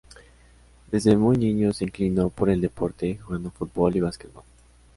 Desde muy niño se inclinó por el deporte, jugando fútbol y basquetbol.